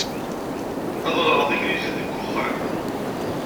Ad ƔreƔ taneglizit deg wexxam.